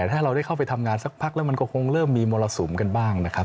ถ้าเราได้เข้าไปทำงานสักพักแล้วมันก็คงเริ่มมีมรสุมกันบ้างนะครับ